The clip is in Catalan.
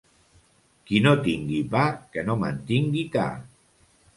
Qui no tingui pa que no mantingui ca.